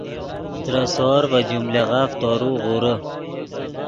ترے سور ڤے جملغف تورو غورے